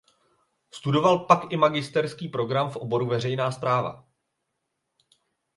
Studoval pak i magisterský program v oboru veřejná správa.